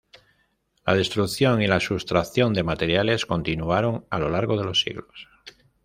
La destrucción y la sustracción de materiales continuaron a lo largo de los siglos.